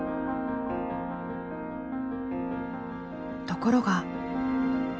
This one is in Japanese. ところが。